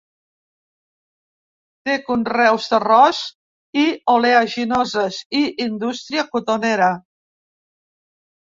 Té conreus d'arròs i oleaginoses i indústria cotonera.